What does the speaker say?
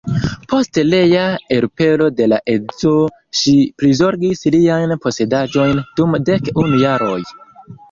Post rea elpelo de la edzo ŝi prizorgis liajn posedaĵojn dum dek unu jaroj.